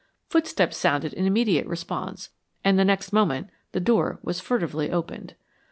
Footsteps sounded in immediate response, and the next moment the door was furtively opened.